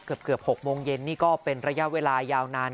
เกือบ๖โมงเย็นนี่ก็เป็นระยะเวลายาวนาน